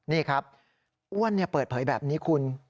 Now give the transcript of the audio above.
นี่ครับอ้วนเปิดเผยแบบนี้คุณ